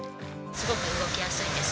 すごく動きやすいです。